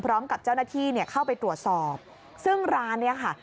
พร้อมกับเจ้าหน้าที่เนี่ยเข้าไปตรวจสอบซึ่งร้านเนี้ยค่ะ